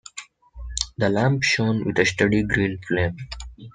The lamp shone with a steady green flame.